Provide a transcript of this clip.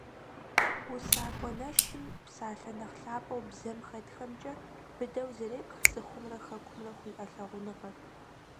УсакӀуэ нэсым, псалъэ нэхъ лъапӀэу бзэм хэтхэмкӀэ, быдэу зэрепх цӀыхумрэ Хэкумрэ хуиӀэ лъагъуныгъэр.